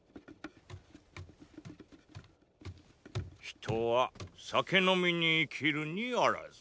人は酒のみに生きるにあらず。